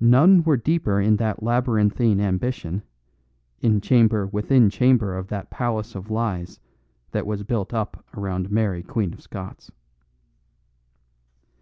None were deeper in that labyrinthine ambition, in chamber within chamber of that palace of lies that was built up around Mary Queen of Scots.